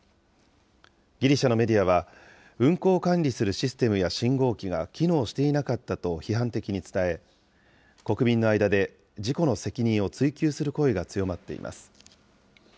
ギリシャのメディアは、運行を管理するシステムや信号機が機能していなかったと批判的に伝え、国民の間で事故の責任を追及する声が強まっています。